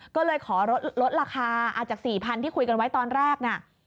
ก็เลยขอลดราคาจาก๔๐๐๐ที่คุยกันไว้ตอนแรกน่ะ